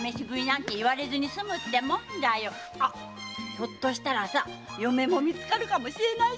ひょっとしたら嫁も見つかるかもしれない。